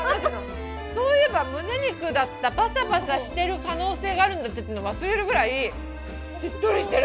そういえば、むね肉だった、パサパサしてる可能性あるんだったと忘れるぐらい、しっとりしてる。